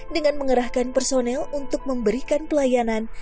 dengan mengerahkan personel untuk memberikan pelayanan